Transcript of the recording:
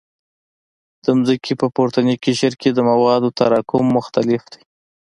د ځمکې په پورتني قشر کې د موادو تراکم مختلف دی